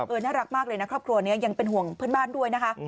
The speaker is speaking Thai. น่ารักมากเลยนะครอบครัวนี้ยังเป็นห่วงเพื่อนบ้านด้วยนะคะ